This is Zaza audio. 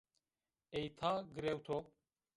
Ey ta girewto